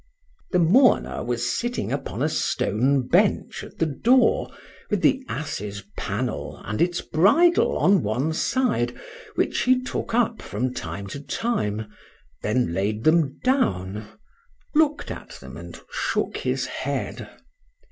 The mourner was sitting upon a stone bench at the door, with the ass's pannel and its bridle on one side, which he took up from time to time,—then laid them down,—look'd at them, and shook his head.